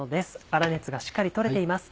粗熱がしっかり取れています。